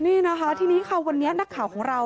นี่นะคะทีนี้ค่ะวันนี้นักข่าวของเรา